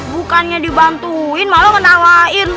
bukannya dibantuin malah menawain